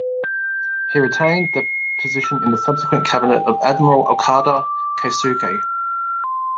He retained the position in the subsequent cabinet of Admiral Okada Keisuke.